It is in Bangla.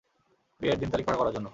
বিয়ের দিন তারিখ পাকা করার জন্য।